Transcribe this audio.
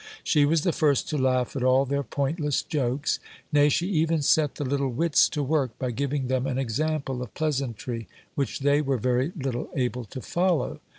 She was the first to laugh at all their pointless jokes ; nay, she even set the little wits to work, by giving them an example of pleasantry, which they were very little able to follow.